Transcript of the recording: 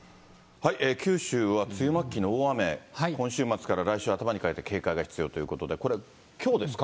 九州は梅雨末期の大雨、今週末から来週頭にかけて警戒が必要ということで、これ、きょうですか？